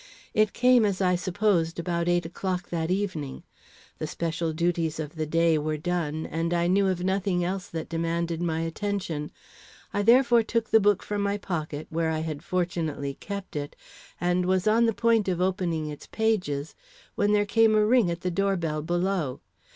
It came, as I supposed, about eight o'clock that evening. The special duties of the day were done, and I knew of nothing else that demanded my attention. I therefore took the book from my pocket, where I had fortunately kept it, and was on the point of opening its pages, when there came a ring at the door bell below.